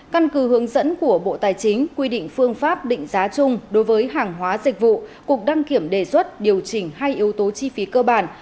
căn cứ hướng dẫn của bộ tài chính quy định phương pháp định giá chung đối với hàng hóa dịch vụ cục đăng kiểm đề xuất điều chỉnh hai yếu tố chi phí cơ bản